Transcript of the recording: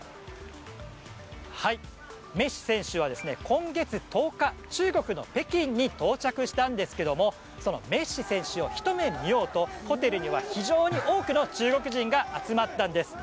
メッシ選手は今月１０日中国の北京に到着したんですがメッシ選手をひと目見ようとホテルには非常に多くの中国人が集まったんです。